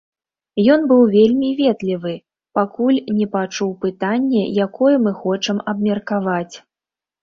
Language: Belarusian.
Ён быў вельмі ветлівы, пакуль не пачуў пытанне, якое мы хочам абмеркаваць.